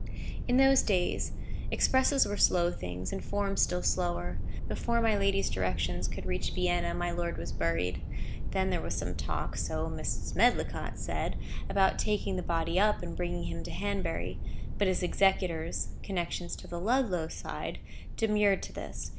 In those days, expresses were slow things, and forms still slower. Before my lady's directions could reach Vienna, my lord was buried. There was some talk (so Mrs. Medlicott said) about taking the body up, and bringing him to Hanbury. But his executors,—connections on the Ludlow side,—demurred to this.